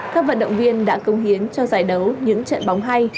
các vận động viên đã công hiến cho giải đấu những trận bóng hay